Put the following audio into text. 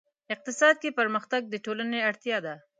اقتصاد کې پرمختګ د ټولنې اړتیا ده.